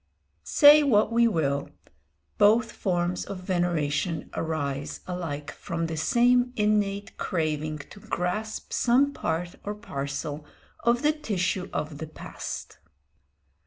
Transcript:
Say what we will, both forms of veneration arise alike from the same innate craving to grasp some part or parcel of the tissue of the past.